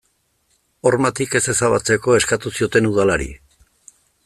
Hormatik ez ezabatzeko eskatu zioten udalari.